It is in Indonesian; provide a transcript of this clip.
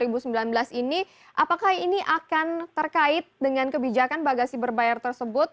di tahun dua ribu sembilan belas ini apakah ini akan terkait dengan kebijakan bagasi berbayar tersebut